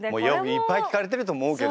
いっぱい聞かれてると思うけど。